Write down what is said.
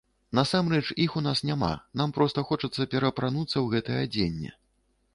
Насамрэч, іх у нас няма, нам проста хочацца пераапрануцца ў гэтае адзенне.